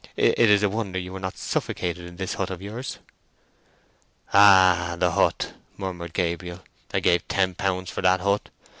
It is a wonder you were not suffocated in this hut of yours." "Ah, the hut!" murmured Gabriel. "I gave ten pounds for that hut.